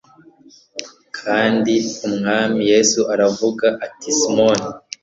kandi umwami yesu aravuga ati simoni